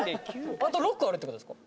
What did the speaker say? あと６個あるって事ですか？